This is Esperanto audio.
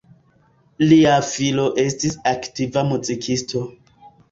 Lia filo estis aktiva muzikisto.